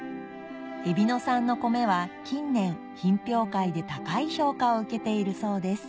えびの産の米は近年品評会で高い評価を受けているそうです